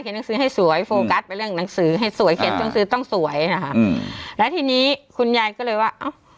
หนังสือให้สวยโฟกัสไปเรื่องหนังสือให้สวยเขียนหนังสือต้องสวยนะคะอืมแล้วทีนี้คุณยายก็เลยว่าเอ้า